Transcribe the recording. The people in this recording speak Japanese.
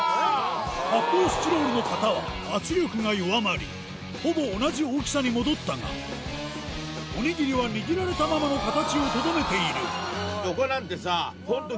発泡スチロールの型は圧力が弱まりほぼ同じ大きさに戻ったがおにぎりは握られたままの形をとどめている横なんてさ本当。